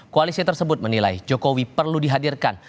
koalisi tersebut menilai jokowi perlu dihadirkan